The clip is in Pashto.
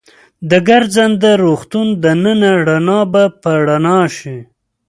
د ګرځنده روغتون دننه رڼا به په رڼا شي.